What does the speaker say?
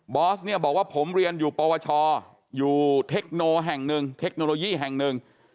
อสเนี่ยบอกว่าผมเรียนอยู่ปวชอยู่เทคโนแห่งหนึ่งเทคโนโลยีแห่งหนึ่ง